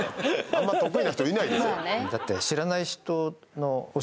あんま得意な人いないですよ